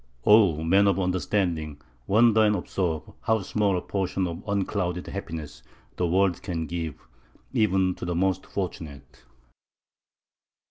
"O man of understanding, wonder and observe how small a portion of unclouded happiness the world can give even to the most fortunate!"